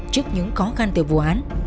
trước những khó khăn từ vụ án